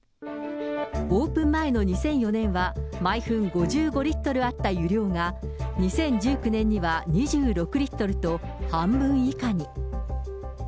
オープン前の２００４年は、毎分５５リットルあった湯量が、２０１９年には２６リットルと、半分以下に。